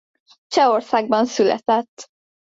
Csehországban született.